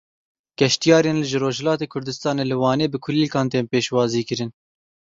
Geştyarên ji Rojhilatê Kurdistanê li Wanê bi kulîlkan tên pêşwazîkirin.